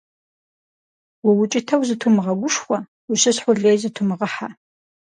УукӀытэу зытумыгъэгушхуэ, ущысхьу лей зытумыгъэхьэ.